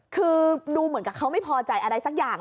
คือดูเหมือนกับเขาไม่พอใจอะไรสักอย่าง